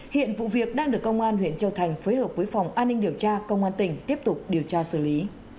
hiện vụ việc đang được công an huyện châu thành phối hợp với phòng an ninh điều tra công an tỉnh tiếp tục điều tra xử lý